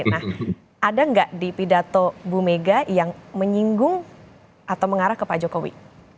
nah ada nggak di pidato bu mega yang menyinggung atau mengarah ke pak jokowi